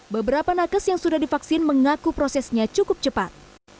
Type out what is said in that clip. beberapa nakes yang sudah divaksin mengaku prosesnya cukup cepat